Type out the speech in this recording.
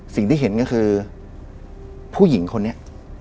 สิ่งที่เห็นก็คือผู้หญิงคนนี้